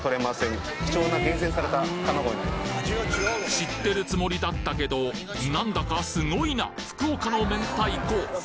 知ってるつもりだったけどなんだかすごいな福岡の明太子！